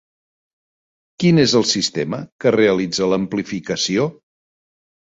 Quin és el sistema que realitza l'amplificació?